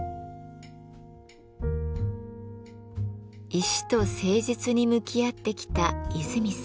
石と誠実に向き合ってきた和泉さん。